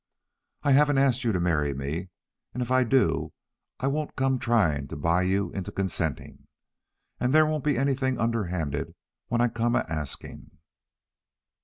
I haven't asked you to marry me, and if I do I won't come trying to buy you into consenting. And there won't be anything underhand when I come a asking."